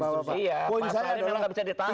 masalahnya nggak bisa ditahan